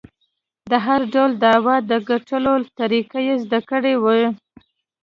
د هر ډول دعوو د ګټلو طریقې یې زده کړې وې.